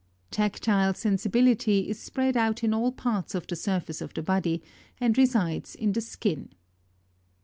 9. Tactile sensibility is spread out in all parts of the surface of the body, ami resides in the skin.